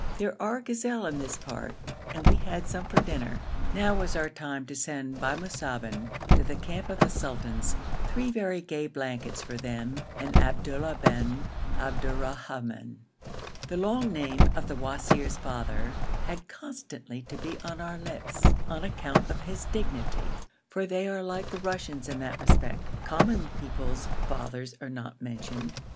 There are gazelle in this part and we had some for dinner. Now was our time to send by Musaben to the camp of the sultans three very gay blankets for them and Abdullah bin Abdurrahman. The long name of the wazir's father had constantly to be on our lips on account of his dignity, for they are like the Russians in that respect common people's fathers are not mentioned.